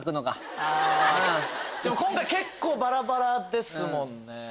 今回結構バラバラですもんね。